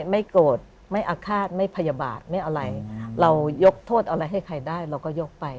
ไม่โกรธไม่อาฆาตไม่พยาบาทไม่อะไรเรายกโทษอะไรให้ใครได้เราก็ยกไป